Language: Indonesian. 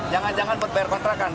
jangan jangan berbayar kontrakan